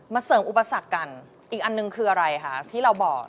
เสริมอุปสรรคกันอีกอันหนึ่งคืออะไรคะที่เราบอก